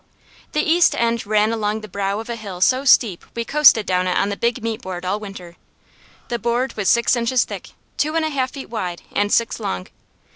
The east end ran along the brow of a hill so steep we coasted down it on the big meat board all winter. The board was six inches thick, two and a half feet wide, and six long.